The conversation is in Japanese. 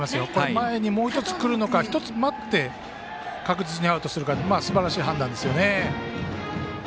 前に来るのか１つ待って、確実にアウトするかすばらしい判断ですよね。